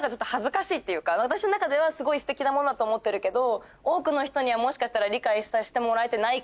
私の中ではすごいステキなものだと思ってるけど。